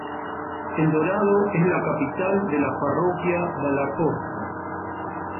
El Dorado es la capital de la parroquia Dalla-Costa.